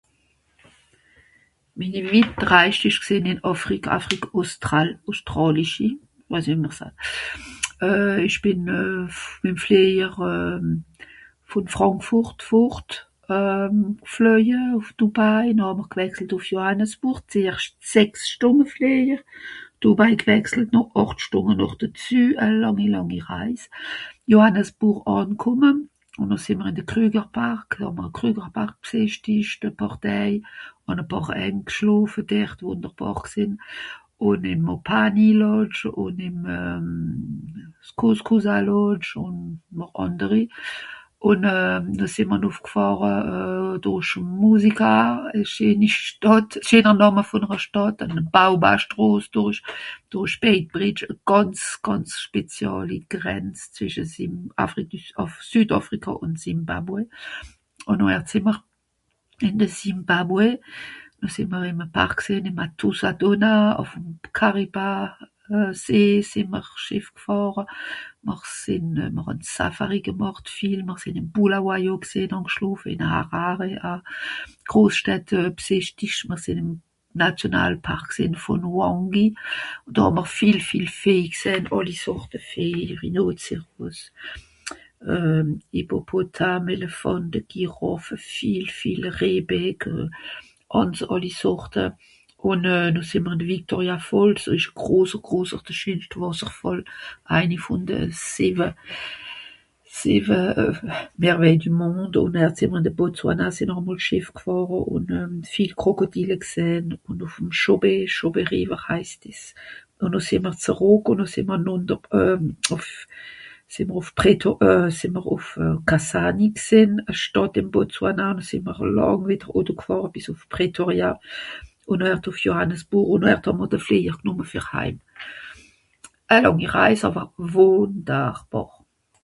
Minni witt Reis ìsch gsìnn ìn Àfric... Afrique-Australe, Austràlischi, weis nìt wie mr saat. Euh... ìch bìn euh...pfff... ìm Flìejer euh... vùn Frànkfùrt fùrt euh... gfloeje, ùff Dubaï, noh ha'mr gwechselt ùff Johannesburg d'erscht sechs Stùnd ùf Flìejer, Dubaï gwechselt noch àcht Stùnge noch dezü, a làngi làngi Reis. Johannesburg ànkùmme, ùn noh sìì'mr de Krugerpark, hàà'mr Krugerpark bsìchtischt e pààr Däi, àn e pààr (...) dert, wùnderbàr gsìnn, ùn ìm Opanilodge ùn ìm euh... Skukuzalodge ùn noch ànderi, ùn euh... noh sìì'mr nùfgfàhre euh... dùrich Musika, e scheeni Stàdt... scheener Nàme vùn're Stàdt. Ùn àn Baobabstros dùrich. Dùrich Beitbridge, gànz gànz speziàli Grenz zwìsche Zim... Àfridu s... Südàfrikà ùn Zimbabwe. Ùn noher sìì'mr ìn de Zimbabwe. Noh sìì'mr ìm e Park gsììn ìn Matusadona, ùf'm Kariba euh See, sìì'mr Schìff gfàhre, mr sìnn euh... mr hàn Safari gemàcht, vìel, mr sìnn ìn Bulawayo gsìnn (...), ìn Harare, grosstädte bsìchticht, mr sìn ìm Nationalpark gsìnn vùn Hwange. Do hàà'mr viel viel Vieh gsehn, àlli Sorte vùn Vieh, Rhinozeros, euh... Hippopotam, Elephànt, Giràffe, viel, viel Rehbeck euh, hàn se àlli Sorte. Euh... noh sìì'mr ìn Victoria-Fàlls, ìsch e groser, groser (...) Wàsserfàll. Eini vùn de sìwe... sìwe euh... Merveilles du Monde ùn noh sìi'mr, sìì'mr ìn de Botswana sìnn noch e mol Schìff gfàhre ùn euh... viel Krokodile gsähn, ùn ùff'm Chope, Chobe River heist dìs. Ùn noh sìì'mr zerrùck ùn noh sìì'mr (...) euh... ùf... sìì'mr ùff Preto euh... sìì'mr ùf Kasane gsìnn, e Stàdt ìn Botswana ùn noh sìì'mr làng wìdder Auto gfàhre bìs ùf Pretoria. Ùn nohhärt ùf Johannesburg ùn nohhärt hàà'mr de Flìejer gnùmme fer heim. E làngi Reis àwer wùnderbàr !